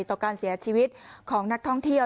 ต่อการเสียชีวิตของนักท่องเที่ยว